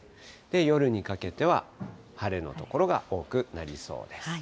夜にかけては晴れの所が多くなりそうです。